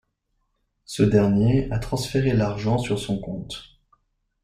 Ce dernier a transféré l'argent sur son compte.